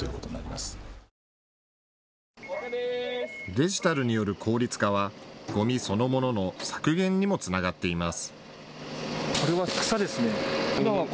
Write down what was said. デジタルによる効率化はゴミそのものの削減にもつながっています。